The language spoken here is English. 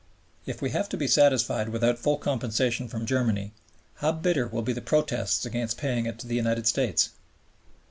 If we have to be satisfied without full compensation from Germany, how bitter will be the protests against paying it to the United States.